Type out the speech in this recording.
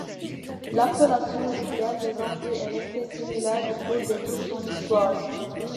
L'appellation rivière des Envies est restée similaire au cours de toute son histoire.